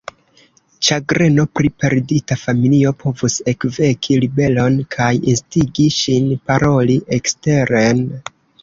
Ĉagreno pri perdita familio povus ekveki ribelon kaj instigi ŝin paroli eksteren.